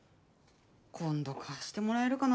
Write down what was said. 今度かしてもらえるかなぁ。